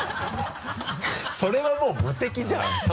それはもう無敵じゃん。